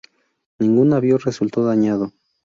Ningún navío resultó dañado.